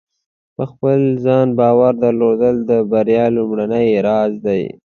په خپل ځان باور درلودل د بریا لومړۍ راز دی.